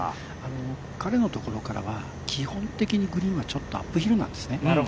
彼のところからは基本的にグリーンはちょっとアップヒルなんですね。